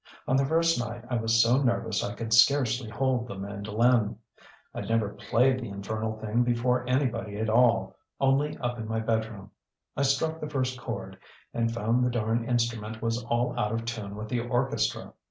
On the first night I was so nervous I could scarcely hold the mandolin. I'd never played the infernal thing before anybody at all only up in my bedroom. I struck the first chord, and found the darned instrument was all out of tune with the orchestra.